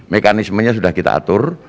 mekanismenya sudah kita atur